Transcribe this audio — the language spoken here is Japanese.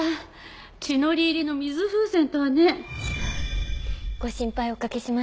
血のり入りの水風船とはね。ご心配おかけしました。